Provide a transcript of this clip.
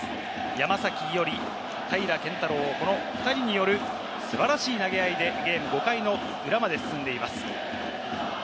山崎伊織、平良拳太郎、この２人による素晴らしい投げ合いでゲーム５回の裏まで進んでいます。